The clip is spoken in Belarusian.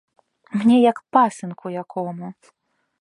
Мне як пасынку якому!